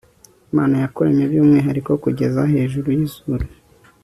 imana yakuremye byumwihariko kugeza hejuru yizuru